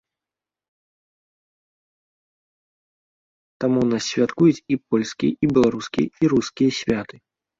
Таму ў нас святкуюць і польскія, і беларускія, і рускія святы.